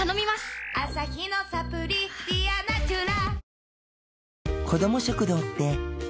アサヒのサプリ「ディアナチュラ」